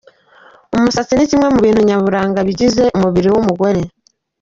Umusatsi ni kimwe mu bintu nyaburanga bigize umubiri w’umugore.